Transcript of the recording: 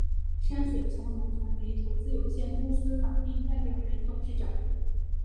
山水从容传媒投资有限公司法定代表人、董事长